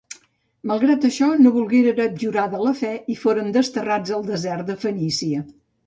Malgrat això, no volgueren abjurar de la fe i foren desterrats al desert de Fenícia.